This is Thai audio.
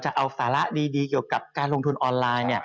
สาระดีเกี่ยวกับการลงทุนออนไลน์